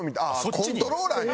コントローラーに？